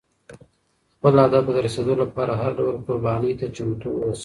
خپل هدف ته د رسېدو لپاره هر ډول قربانۍ ته چمتو اوسه.